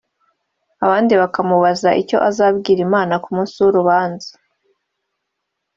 abandi bakamubaza ‘icyo azabwira Imana ku munsi w’urubanza’